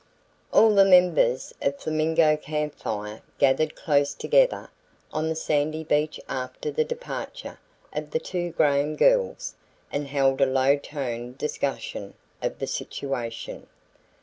All the members of Flamingo Camp Fire gathered close together on the sandy beach after the departure of the two Graham girls and held a low toned discussion of the situation.